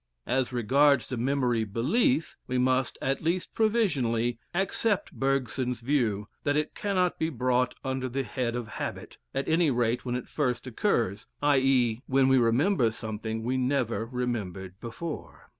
As regards the memory belief, we must, at least provisionally, accept Bergson's view that it cannot be brought under the head of habit, at any rate when it first occurs, i.e. when we remember something we never remembered before.